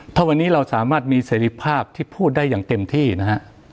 ถ้าวันนี้เราสามารถมีเสรีภาพที่พูดได้อย่างเต็มที่นะฮะ